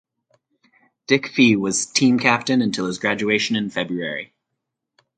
Dick Fee was team captain until his graduation in February.